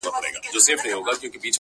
افتخار د پښتنو به قلندر عبدالرحمن وي,